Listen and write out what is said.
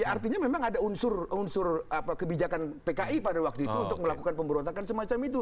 artinya memang ada unsur unsur kebijakan pki pada waktu itu untuk melakukan pemberontakan semacam itu